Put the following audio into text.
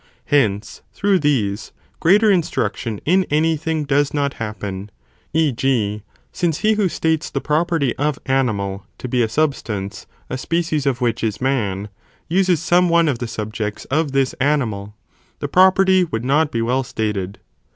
Hence, through these, greater instruction in any thing does not happen, e. g. since he who states the property of animal, to be a substance, a species of which is man, uses some one of the subjects of this (animal), the property would not be well stated.